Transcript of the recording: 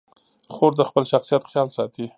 خور د خپل شخصیت خیال ساتي.